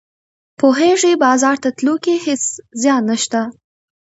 پوهیږې بازار ته تلو کې هیڅ زیان نشته